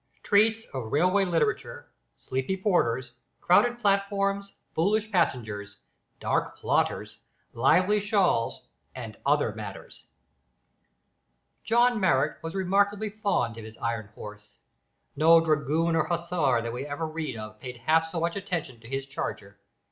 TREATS OF RAILWAY LITERATURE, SLEEPY PORTERS, CROWDED PLATFORMS, FOOLISH PASSENGERS, DARK PLOTTERS, LIVELY SHAWLS, AND OTHER MATTERS. John Marrot was remarkably fond of his iron horse. No dragoon or hussar that we ever read of paid half so much attention to his charger.